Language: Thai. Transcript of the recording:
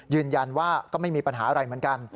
ยืนยันว่าก็ไม่มีปัญหาอะไรเหมือนกัน